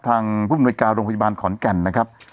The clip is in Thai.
ทางผู้มนวยการโรงพยาบาลขอนแก่นนะครับ